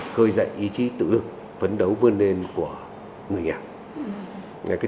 khơi dậy ý chí tự lực phấn đấu vươn lên của người nghèo